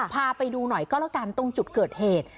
พาไปดูหน่อยก็แล้วกันตรงจุดเกิดเหตุ